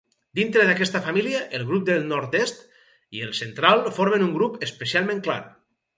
Dintre d'aquesta família, el grup del nord-est i el central formen un grup especialment clar.